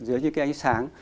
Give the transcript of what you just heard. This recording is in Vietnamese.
dưới những cái ánh sáng